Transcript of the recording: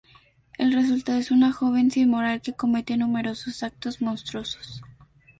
El resultado es una joven sin moral, que comete numerosos actos monstruosos.